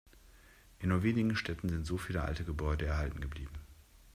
In nur wenigen Städten sind so viele alte Gebäude erhalten geblieben.